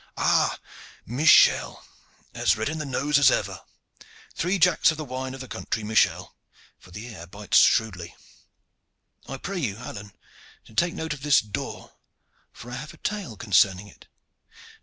Ha! Michel, as red in the nose as ever! Three jacks of the wine of the country, Michel for the air bites shrewdly. I pray you, Alleyne, to take note of this door, for I have a tale concerning it."